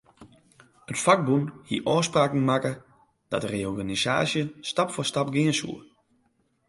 It fakbûn hie ôfspraken makke dat de reorganisaasje stap foar stap gean soe.